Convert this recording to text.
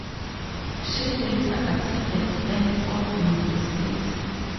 She later attended Stanford University.